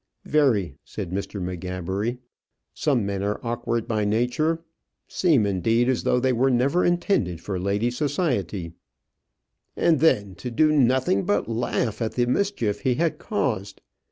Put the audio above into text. "Very," said Mr. M'Gabbery. "Some men are awkward by nature; seem, indeed, as though they were never intended for ladies' society." "And then to do nothing but laugh at the mischief he had caused.